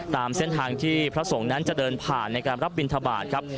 ตามเส้นทางที่พระสงฆ์นั้นจะเดินผ่านในการรับบินทบาทครับ